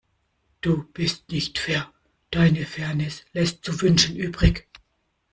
Du bist nicht fair, deine Fairness lässt zu wünschen übrig.